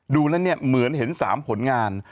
ดูแล้วเหมือนเห็น๓ผลงาน